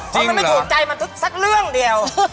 เพราะมันไม่ถูกใจมันสักเรื่องเดียว